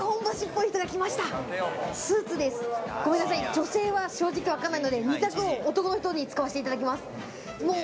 女性は正直わかんないので、２択を男の人に使わせていただきます。